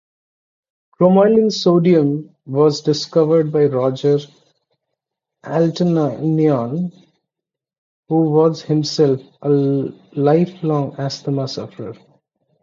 Cromolyn sodium was discovered by Roger Altounyan who was himself a lifelong asthma sufferer.